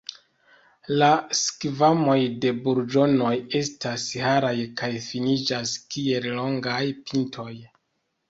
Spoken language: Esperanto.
La skvamoj de burĝonoj estas haraj kaj finiĝas kiel longaj pintoj.